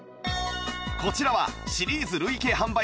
こちらはシリーズ累計販売